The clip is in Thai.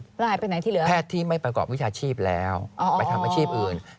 หายไปไหนที่เหลือแพทย์ที่ไม่ประกอบวิชาชีพแล้วไปทำอาชีพอื่น